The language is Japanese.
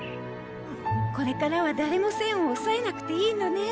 これからは誰も栓を押さえなくていいのね。